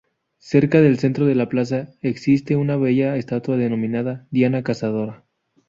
Cerca del centro de la plaza existe una bella estatua denominada "Diana Cazadora".